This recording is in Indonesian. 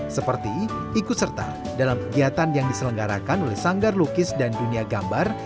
seperti ikut serta dalam kegiatan yang diselenggarakan oleh sanggar lukis dan dunia gambar